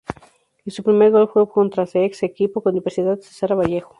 Y su primer gol fue contra se ex equipo universidad cesar vallejo